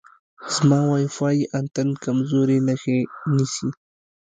زما وای فای انتن کمزورې نښې نیسي.